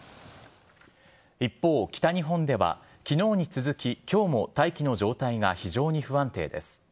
一方、北日本では、きのうに続き、きょうも大気の状態が非常に不安定です。